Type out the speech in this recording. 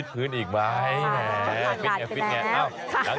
ไปลองฟังเสียง